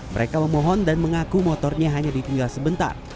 mereka memohon dan mengaku motornya hanya ditinggal sebentar